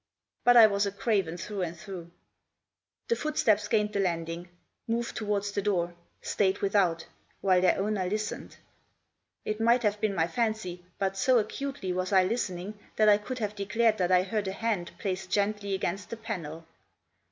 But I was a craven through and through. The footsteps gained the landing: moved towards the door ; stayed without, while their owner listened. It might have been my fancy, but, so acutely was I listening, that I could have declared that I heard a hand placed gently against the panel.